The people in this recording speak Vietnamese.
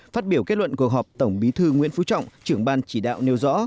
phát biểu kết luận cuộc họp tổng bí thư nguyễn phú trọng trưởng ban chỉ đạo nêu rõ